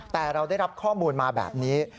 แต่เราได้รับข้อมูลมาแบบนี้